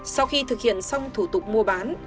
sau khi thực hiện xong thủ tục mua bán